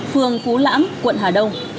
phường phú lãng quận hà đông